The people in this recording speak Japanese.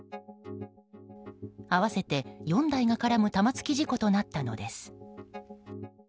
合わせて４台が絡む玉突き事故となったのです。